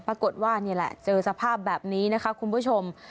ปรากฏว่านี่แหละเจอสภาพแบบนี้นะคะคุณผู้ชม